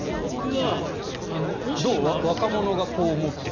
若者がこう思っている。